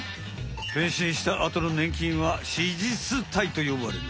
変身したあとのねん菌は子実体とよばれる。